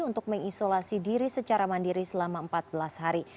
untuk mengisolasi diri secara mandiri selama empat belas hari